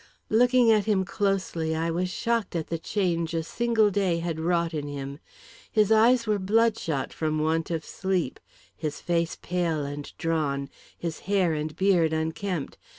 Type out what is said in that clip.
Looking at him closely, I was shocked at the change a single day had wrought in him. His eyes were bloodshot from want of sleep, his face pale and drawn, his hair and beard unkempt.